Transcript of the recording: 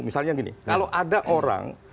misalnya gini kalau ada orang